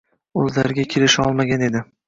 – o‘zlariga kelisholmagan edi.